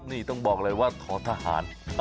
นี่ต้องบอกเลยว่าท้อทหาร